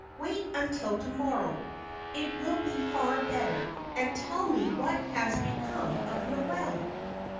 Wait until to morrow it will be far better; and tell me what has become of Noel."